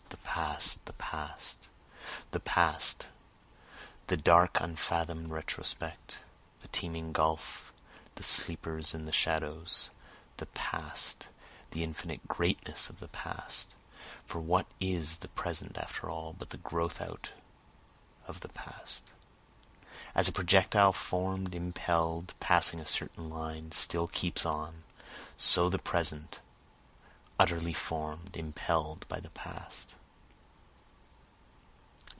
the Past! the Past! The Past the dark unfathom'd retrospect! The teeming gulf the sleepers and the shadows! The past the infinite greatness of the past! For what is the present after all but a growth out of the past? (As a projectile form'd, impell'd, passing a certain line, still keeps on, So the present, utterly form'd, impell'd by the past.)